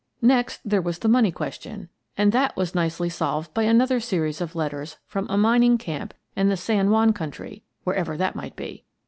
Next, there was the money question, and that was nicely solved by another series of letters from a mining camp in the San Juan country, wherever that might be.